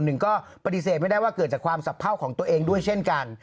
หนึ่งก็ปฏิเสธไม่ได้ว่าเกิดจากความสับเภาของตัวเองด้วยเช่นกัน